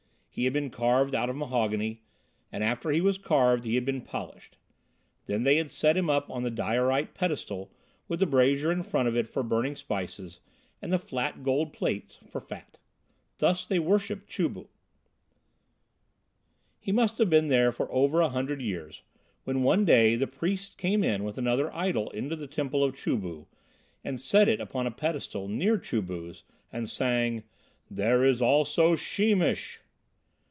He had been carved out of mahogany, and after he was carved he had been polished. Then they had set him up on the diorite pedestal with the brazier in front of it for burning spices and the flat gold plates for fat. Thus they worshipped Chu bu. He must have been there for over a hundred years when one day the priests came in with another idol into the temple of Chu bu, and set it up on a pedestal near Chu bu's and sang, "There is also Sheemish."